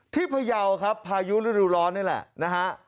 พยาวครับพายุฤดูร้อนนี่แหละนะฮะ